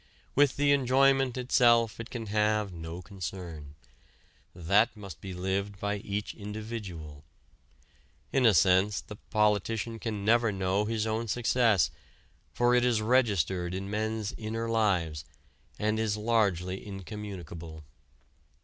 With the enjoyment itself it can have no concern. That must be lived by each individual. In a sense the politician can never know his own success, for it is registered in men's inner lives, and is largely incommunicable.